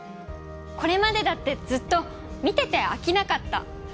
これまでだってずっと見てて飽きなかった。